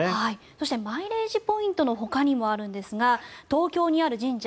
そして参礼寺ポイントのほかにもあるんですが東京にある神社